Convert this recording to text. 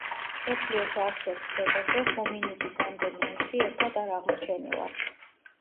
მსოფლიოს არცერთ ძეგლზე ჰომინიდის ამდენი ნაშთი ერთად არ აღმოჩენილა.